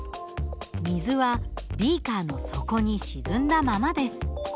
水はビーカーの底に沈んだままです。